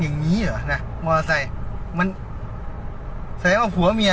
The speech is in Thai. อย่างงี้เหรอนะมอเตอร์ไซค์มันแสดงว่าผัวเมีย